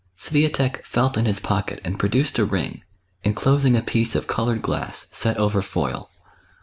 Swiatek felt in his pocket and produced a ring, enclosing a piece of coloured glass set over foil.